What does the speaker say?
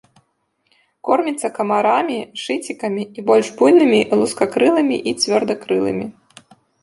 Корміцца камарамі, шыцікамі і больш буйнымі лускакрылымі і цвердакрылымі.